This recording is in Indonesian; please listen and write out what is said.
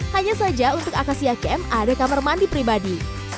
hanya saja untuk akasia camp ada kamar mandi pribadi